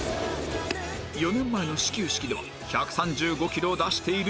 ４年前の始球式では１３５キロを出している樽美酒